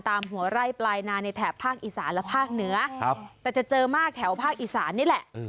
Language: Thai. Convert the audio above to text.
หัวไร่ปลายนาในแถบภาคอีสานและภาคเหนือแต่จะเจอมากแถวภาคอีสานนี่แหละ